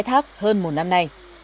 hết phép khai thác hơn một năm nay